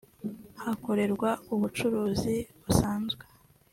hakorerwa ubucuruzi busanzwe